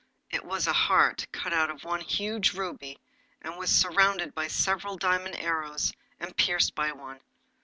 It was a heart cut out of one huge ruby, and was surrounded by several diamond arrows, and pierced by one.